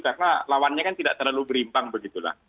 karena lawannya kan tidak terlalu berimpang begitu